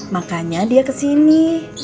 makanya dia kesini